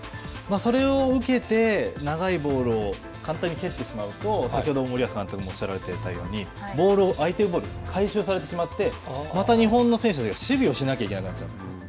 それを受けて、長いボールを簡単に蹴ってしまうと、先ほど森保監督もおっしゃられていたようにボールを相手ボール、回収されてしまって、また日本の選手たちが守備をしなきゃいけなくなっちゃうんですよ。